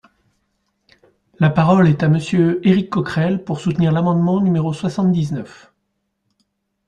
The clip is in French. La parole est à Monsieur Éric Coquerel, pour soutenir l’amendement numéro soixante-dix-neuf.